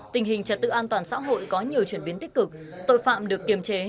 tình hình trật tự an toàn xã hội có nhiều chuyển biến tích cực tội phạm được kiềm chế